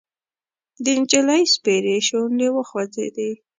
د نجلۍ سپېرې شونډې وخوځېدې: